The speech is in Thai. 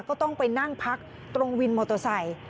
ก็ต้องไปนั่งพักตรงวินมอเตอร์ไซค์